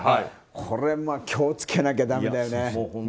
これ、気をつけなきゃだめだよね。